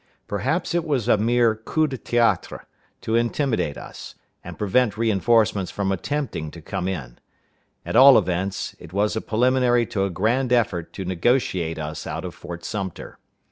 Perhaps it was a mere coup de théâtre, to intimidate us, and prevent re enforcements from attempting to come in; at all events, it was a preliminary to a grand effort to negotiate us out of Fort Sumter.